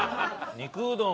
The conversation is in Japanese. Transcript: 肉うどん？